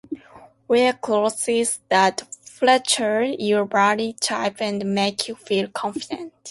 Wear clothes that flatter your body type and make you feel confident.